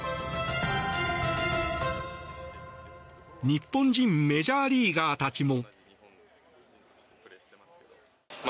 日本人メジャーリーガーたちも。